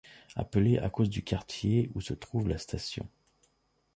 Appelé à cause du quartier où se trouve la station.